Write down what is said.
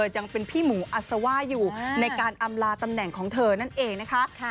ยังเป็นพี่หมูอัศว่าอยู่ในการอำลาตำแหน่งของเธอนั่นเองนะคะ